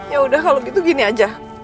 yaudah kalau gitu gini aja